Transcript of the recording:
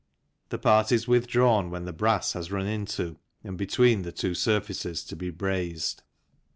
The part is withdrawn when the brass has run into and between the two surfaces to be brazed.